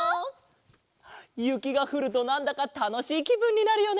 ゆきがふるとなんだかたのしいきぶんになるよね！